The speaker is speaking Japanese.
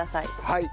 はい。